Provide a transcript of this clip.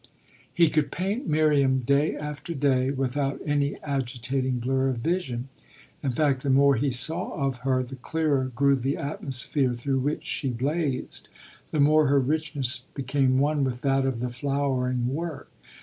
He could paint Miriam day after day without any agitating blur of vision; in fact the more he saw of her the clearer grew the atmosphere through which she blazed, the more her richness became one with that of the flowering work.